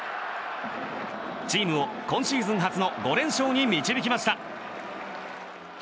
チームを今シーズン初の５連勝に導きました。